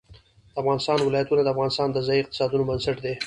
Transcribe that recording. د افغانستان ولايتونه د افغانستان د ځایي اقتصادونو بنسټ دی.